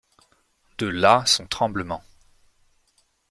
De là son tremblement.